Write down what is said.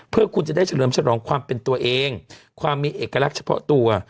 เพื่อคุณจะได้เฉลิมฉลองความเป็นตัวเองความมีเอกลักษณ์เฉพาะตัว